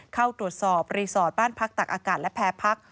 เข้าตรวจสอบบ้านพักตักอากาศและแพร่พัก